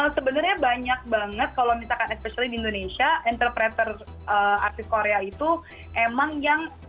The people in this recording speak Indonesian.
sebenarnya banyak banget kalau misalkan expecially di indonesia interpreter artis korea itu emang yang